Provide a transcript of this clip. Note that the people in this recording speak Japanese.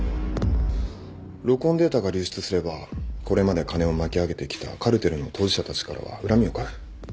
録音データが流出すればこれまで金を巻き上げてきたカルテルの当事者たちからは恨みを買う。